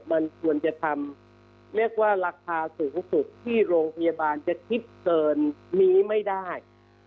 มันควรจะทำเรียกว่าราคาสูงสุดที่โรงพยาบาลจะคิดเกินนี้ไม่ได้